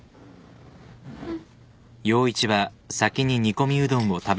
うん。